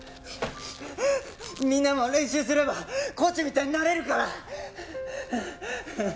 みんなも練習すればコーチみたいになれるから！